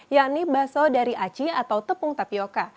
yakni bakso dari aci atau tepung tapioca